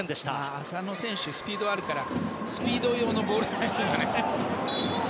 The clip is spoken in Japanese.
浅野選手スピードがあるからスピード用のボールだったね。